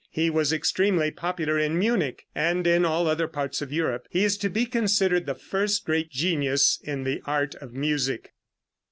He was extremely popular in Munich and in all other parts of Europe. He is to be considered the first great genius in the art of music.